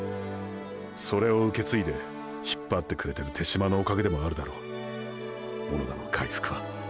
それを受け継いで引っぱってくれてる手嶋のおかげでもあるだろう小野田の回復は。